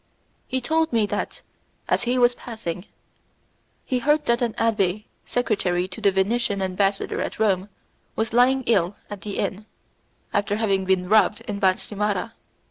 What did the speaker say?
He told me that, as he was passing, he heard that an abbé, secretary to the Venetian ambassador at Rome, was lying ill at the inn, after having been robbed in Valcimara.